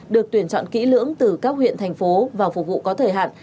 được tuyển chọn kỹ lưỡng từ các huyện thành phố vào phục vụ có thời hạn